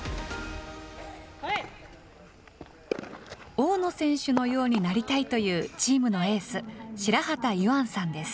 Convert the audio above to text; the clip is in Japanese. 大野選手のようになりたいというチームのエース、白畑優杏さんです。